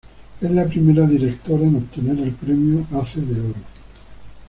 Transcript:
Es la primera directora en obtener el Premio Ace de Oro.